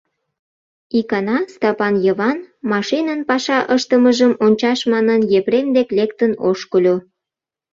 Икана Стапан Йыван, машинын паша ыштымыжым ончаш манын, Епрем дек лектын ошкыльо.